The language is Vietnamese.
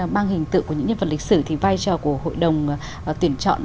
mang hình tượng của những nhân vật lịch sử thì vai trò của hội đồng tuyển chọn